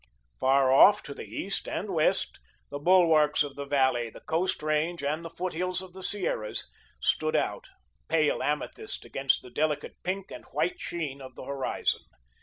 Far off to the east and west, the bulwarks of the valley, the Coast Range and the foothills of the Sierras stood out, pale amethyst against the delicate pink and white sheen of the horizon.